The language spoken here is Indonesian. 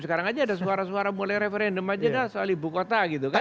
sekarang aja ada suara suara mulai referendum aja dah soal ibu kota gitu kan